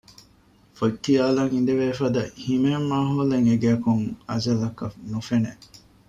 ފޮތްކިޔާލަން އިނދެލެވޭފަދަ ހިމޭން މާހައުލެއް އެގެއަކުން އަޒަލްއަކަށް ނުފެނެ